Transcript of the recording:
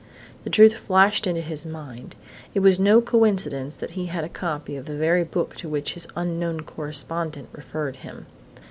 The truth flashed into his mind. It was no coincidence that he had a copy of the very book to which his unknown correspondent referred him.